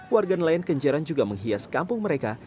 warga nelayan kenjeran juga menghias kampung mereka